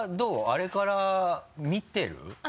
あれから見てる？